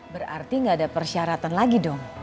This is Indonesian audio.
berarti nggak ada persyaratan lagi dong